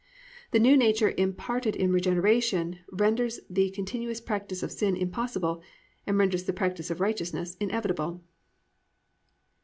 _ The new nature imparted in regeneration renders the continuous practice of sin impossible and renders the practice of righteousness inevitable.